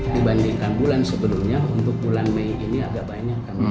dibandingkan bulan sebelumnya untuk bulan mei ini agak banyak